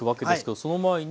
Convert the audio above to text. その前に。